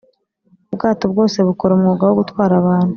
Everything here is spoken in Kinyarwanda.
ubwato bwose bukora umwuga wo gutwara abantu